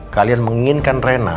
kalian menginginkan rena